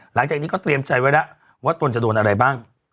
หลังจากนี้ก็เตรียมใจไว้แล้วว่าตนจะโดนอะไรบ้าง